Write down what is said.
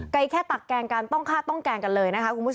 ไกลแค่ตักแกงกันต้องฆ่าต้องแกงเลย